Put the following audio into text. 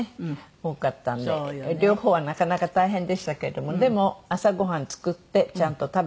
多かったんで両方はなかなか大変でしたけれどもでも朝ごはん作ってちゃんと食べていただいて。